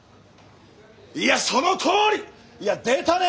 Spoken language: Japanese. いやそのとおり！いや出たね！